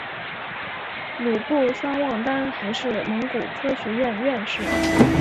鲁布桑旺丹还是蒙古科学院院士。